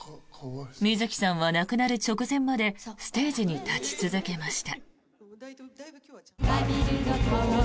水木さんは亡くなる直前までステージに立ち続けました。